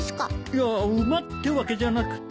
いや馬ってわけじゃなくて。